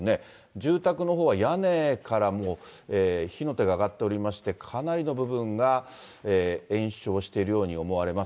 住宅のほうは屋根からも火の手が上がっておりまして、かなりの部分が延焼しているように思われます。